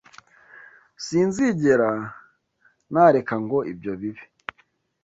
Sinzigera nareka ngo ibyo bibe.